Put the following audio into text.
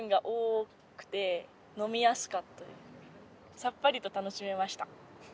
さっぱりと楽しめました。